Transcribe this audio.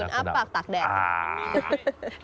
เดี๋ยวคุณอ้าปากตักแดง